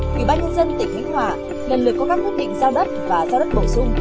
quỹ ban nhân dân tỉnh khánh hòa lần lượt có các quyết định giao đất và giao đất bổ sung